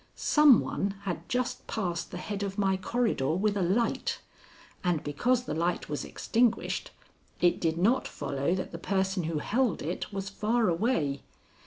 Some one had just passed the head of my corridor with a light, and because the light was extinguished it did not follow that the person who held it was far away.